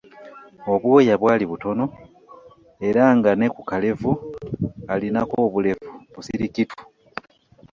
Obwoya bwali butono era nga ne ku kalevu alinako obulevu obusirikitu.